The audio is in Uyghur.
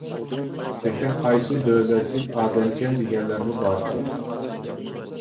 تېخى قايسى دۆلەتلىك ئادەمكەن دېگەنلەرمۇ باركەن.